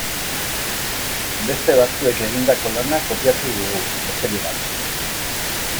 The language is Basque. Beste batzuek egindako lana kopiatu dugu, besterik gabe.